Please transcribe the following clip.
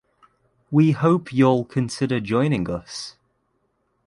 We hope you’ll consider joining us!